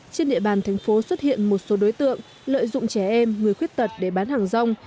trên địa bàn thành phố xuất hiện một số đối tượng lợi dụng trẻ em người khuyết tật để bán hàng rong